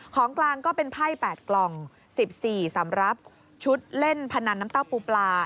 ของกลางก็เป็นไพ่๘กล่อง๑๔สำหรับชุดเล่นพนันน้ำเต้าปูปลา